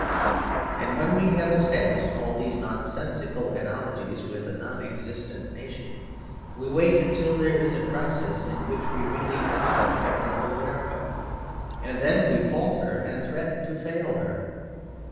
And when we have established all these nonsensical analogies with a nonexistent nation, we wait until there is a crisis in which we really are at one with America, and then we falter and threaten to fail her.